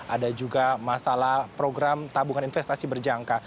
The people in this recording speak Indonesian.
ada juga masalah program tabungan investasi berjangka